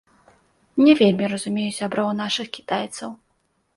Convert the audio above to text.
Не вельмі разумею сяброў нашых кітайцаў.